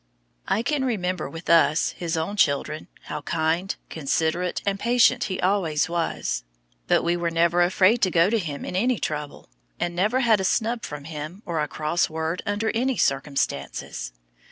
I can remember with us, his own children, how kind, considerate and patient he always was. But we were never afraid to go to him in any trouble, and never had a snub from him or a cross word under any circumstances.